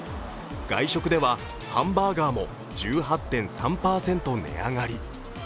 外食ではハンバーガーも１８．３％値上がり。